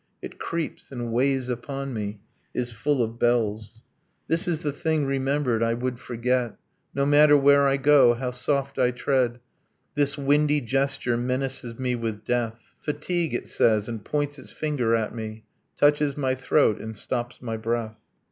It creeps and weighs upon me ... Is full of bells. This is the thing remembered I would forget No matter where I go, how soft I tread, This windy gesture menaces me with death. Fatigue! it says, and points its finger at me; Touches my throat and stops my breath.